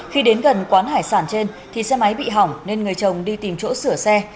khi đến gần quán hải sản trên thì xe máy bị hỏng nên người chồng đi tìm chỗ sửa xe